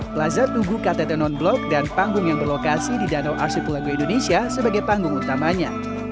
plaza tugu ktt non blok dan panggung yang berlokasi di danau arsipulago indonesia sebagai panggung utamanya